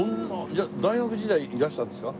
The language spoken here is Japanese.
じゃあ大学時代いらしたんですか？